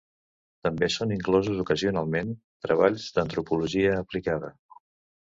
També són inclosos ocasionalment treballs d'antropologia aplicada.